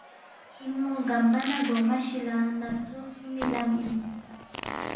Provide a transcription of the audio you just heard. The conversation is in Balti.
انمو گمبہ نہ گونگمہ شیلہ نالسو خسومی لم اِن۔